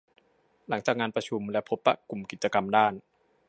หลังจากงานประชุมและพบปะกลุ่มกิจกรรมด้าน